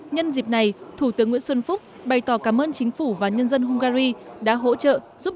nhân dịp này thủ tướng nguyễn xuân phúc bày tỏ cảm ơn chính phủ và nhân dân hungary đã hỗ trợ giúp